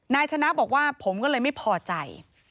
นายชนะบอกว่าผมก็เลยไม่พอใจ